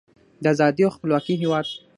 د ازادۍ او خپلواکۍ هیواد.